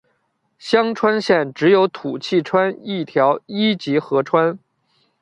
香川县只有土器川一条一级河川。